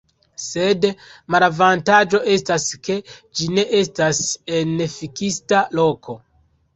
Sed malavantaĝo estas, ke ĝi ne estas en fiksita loko.